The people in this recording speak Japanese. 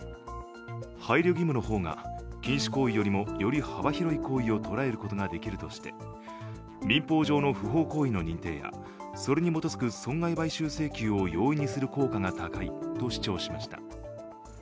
配慮義務の方が禁止行為よりもより幅広い行為を捉えることができるとして民法上の不法行為の認定やそれに基づく損害賠償請求を容易にする効果が高いと主張しました。